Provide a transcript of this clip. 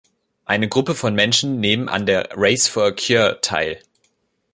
Eine Gruppe von Menschen nehmen an der „Race for a Cure“ teil.